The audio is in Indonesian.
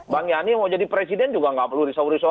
bang yani mau jadi presiden juga nggak perlu risau risau